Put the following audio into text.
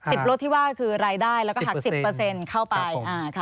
สิบลดที่ว่าคือรายได้แล้วก็หักสิบเปอร์เซ็นต์เข้าไป